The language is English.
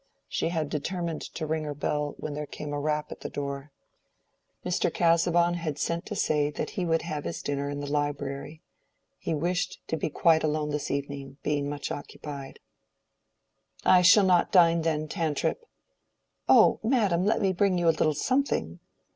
She had determined to ring her bell, when there came a rap at the door. Mr. Casaubon had sent to say that he would have his dinner in the library. He wished to be quite alone this evening, being much occupied. "I shall not dine, then, Tantripp." "Oh, madam, let me bring you a little something?"